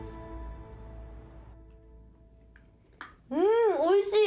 んおいしい！